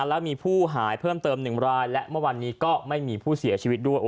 และมีผู้หายเพิ่มเติม๑รายและเมื่อวันนี้ก็ไม่มีผู้เสียชีวิตด้วย